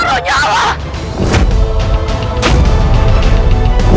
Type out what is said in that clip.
kau benar benar anak doa aku